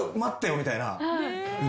みたいな。